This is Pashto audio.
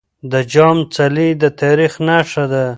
د جام څلی د تاريخ نښه ده.